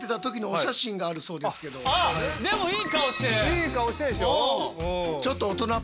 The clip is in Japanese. いい顔してるでしょ。